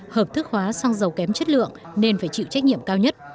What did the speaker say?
hợp thức hóa xăng dầu kém chất lượng nên phải chịu trách nhiệm cao nhất